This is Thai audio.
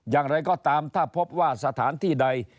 อย่างไรก็ตามถ้าพบว่าสถานที่ใด